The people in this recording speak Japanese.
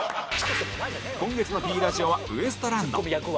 今月の Ｐ ラジオはウエストランド